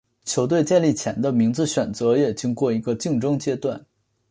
球队建立前的名字选择也经过一个竞争阶段。